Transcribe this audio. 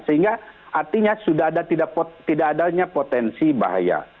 sehingga artinya sudah tidak adanya potensi bahaya